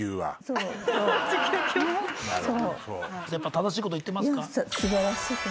正しいこと言ってますか？